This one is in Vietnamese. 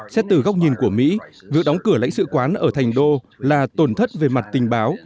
xét từ góc nhìn của mỹ việc đóng cửa lãnh sự quán ở thành đô là tổn thất về mặt tình báo